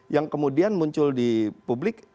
yang kemudian muncul di publik